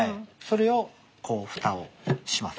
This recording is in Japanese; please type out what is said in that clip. それをこう蓋をします。